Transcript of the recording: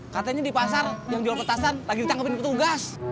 katanya di pasar yang jual petasan lagi ditangkapin petugas